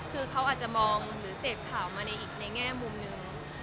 คือเขาอาจจะมองหรือเสพข่าวมาในอีกในแง่มุมหนึ่ง